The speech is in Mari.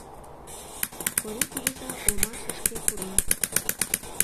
Корий кугыза омашышке пура.